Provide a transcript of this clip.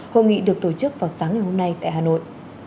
hội nghị được tổ chức vào sáng ngày hôm nay tại hà nội